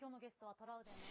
トラウデンさん